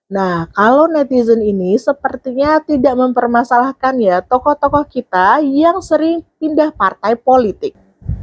nah kalau netizen ini sepertinya tidak mempermasalahkan ya tokoh tokoh kita yang sering pindah partai politik